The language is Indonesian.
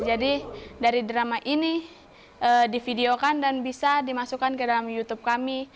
jadi dari drama ini di video kan dan bisa di masukkan ke dalam youtube kami